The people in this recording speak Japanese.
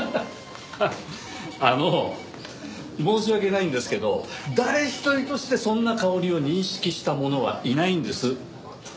あの申し訳ないんですけど誰一人としてそんな香りを認識した者はいないんです。